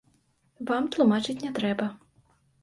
Вам тлумачыць не трэба.